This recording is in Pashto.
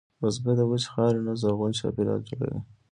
بزګر د وچې خاورې نه زرغون چاپېریال جوړوي